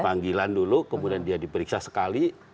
panggilan dulu kemudian dia diperiksa sekali